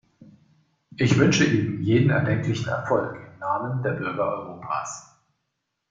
Ich wünsche ihm jeden erdenklichen Erfolg im Namen der Bürger Europas.